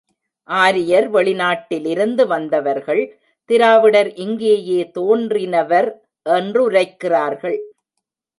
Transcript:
ஆரியர் வெளிநாட்டிலிருந்து வந்தவர்கள், திராவிடர் இங்கேயே தோன்றினவர் என்றுரைக்கிறார்கள்.